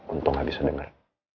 untung gak bisa denger